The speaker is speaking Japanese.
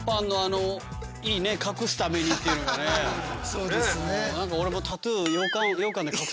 そうですね。